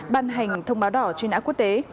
ban hành thông báo đỏ truy nã quốc tế